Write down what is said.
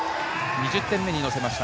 ２０点目に乗せました。